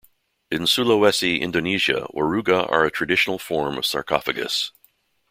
In Sulawesi, Indonesia, waruga are a traditional form of sarcophagus.